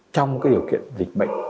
trong cái điều kiện dịch bệnh